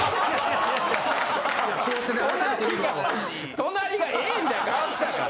隣が「え！？」みたいな顔したから。